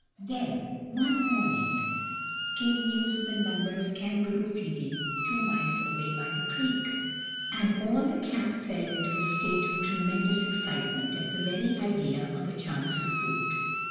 Then, one morning, came news of a number of kangaroo feeding two miles away by the creek, and all the camp fell into a state of tremendous excite ment at the very idea of such a chance of food.